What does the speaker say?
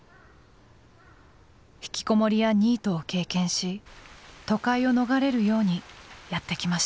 引きこもりやニートを経験し都会を逃れるようにやって来ました。